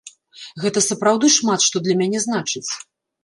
Гэта сапраўды шмат што для мяне значыць.